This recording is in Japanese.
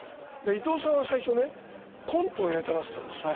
伊東さんは最初ねコントをやりたがってたんですよ。